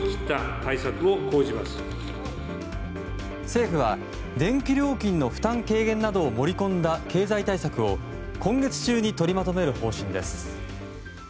政府は電気料金の負担軽減などを盛り込んだ経済対策を今月中に取りまとめる方針です。